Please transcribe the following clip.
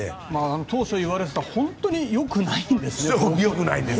当初言われていた本当によくないんですね。